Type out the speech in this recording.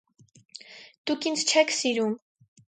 - Դուք ինձ չե՛ք սիրում…